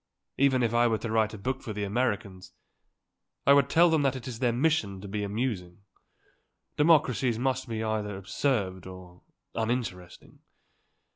If I were to write a book for the Americans, I would tell them that it is their mission to be amusing. Democracies must be either absurd or uninteresting.